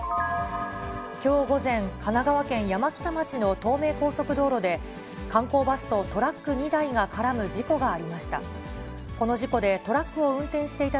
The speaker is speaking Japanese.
きょう午前、神奈川県山北町の東名高速道路で、観光バスとトラック２台が絡む事故がありました。